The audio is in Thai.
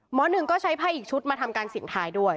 หมอหนึ่งก็ใช้ไพ่อีกชุดมาทำการสินค้ายด้วย